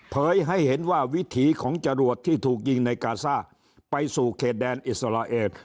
ให้เห็นว่าวิถีของจรวดที่ถูกยิงในกาซ่าไปสู่เขตแดนอิสราเอล